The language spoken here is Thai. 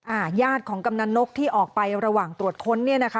ญาติของกำนันนกที่ออกไประหว่างตรวจค้นเนี่ยนะคะ